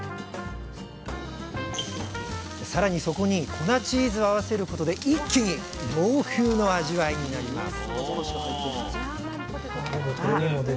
さらにそこに粉チーズを合わせることで一気に洋風の味わいになります